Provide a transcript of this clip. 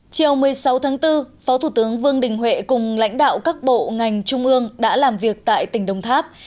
chiều một mươi sáu tháng bốn phó thủ tướng vương đình huệ cùng lãnh đạo các bộ ngành trung ương đã làm việc tại tỉnh đồng tháp